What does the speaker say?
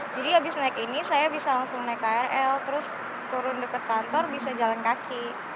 jadi abis naik ini saya bisa langsung naik krl terus turun dekat kantor bisa jalan kaki